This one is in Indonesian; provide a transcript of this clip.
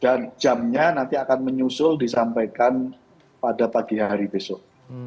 dan jamnya nanti akan menyusul disampaikan pada pagi hari besok